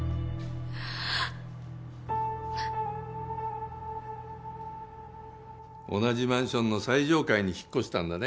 はっ同じマンションの最上階に引っ越したんだね